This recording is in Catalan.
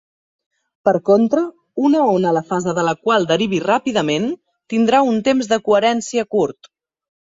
Per contra, una ona la fase de la qual derivi ràpidament tindrà un temps de coherència curt.